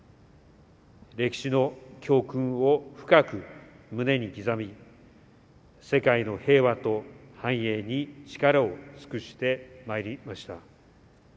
歴史の教訓を深く胸に刻み世界の平和と繁栄に力を尽くしてまいりました。